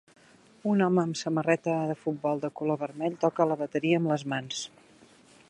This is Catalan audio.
Un home amb samarreta de futbol de color vermell toca la bateria amb les mans